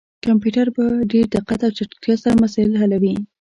کمپيوټر په ډير دقت او چټکتيا سره مسايل حلوي